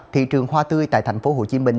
thị trường hoa tươi tại thành phố hồ chí minh